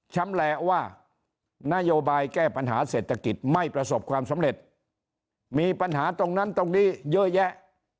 ชำแหละว่านโยบายแก้ปัญหาเศรษฐกิจไม่ประสบความสำเร็จมีปัญหาตรงนั้นตรงนี้เยอะแยะ